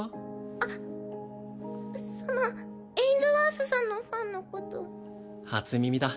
あっそのエインズワースさんのファンのこと初耳だ